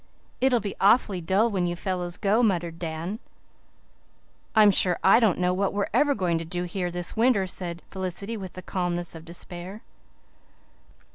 "It'll be awfully dull when you fellows go," muttered Dan. "I'm sure I don't know what we're ever going to do here this winter," said Felicity, with the calmness of despair.